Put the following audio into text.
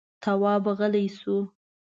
تواب غلی شو.